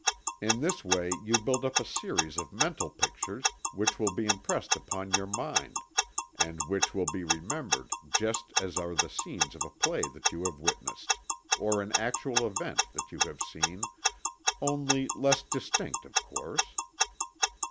In this way you build up a series of mental pictures, which will be impressed upon your mind, and which will be remembered just as are the scenes of a play that you have witnessed, or an actual event that you have seen, only less distinct of course.